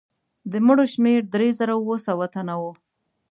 د مړو شمېر درې زره اووه سوه تنه وو.